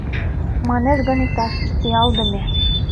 Манеш гын иктаж: пиалдыме